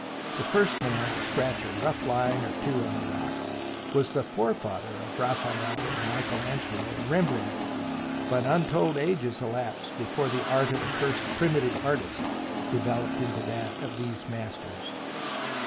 The first man to scratch a rough line or two on a rock was the forefather of Raphael and Michael Angelo and Rembrandt, but untold ages elapsed before the art of the first primitive artist developed into that of these masters.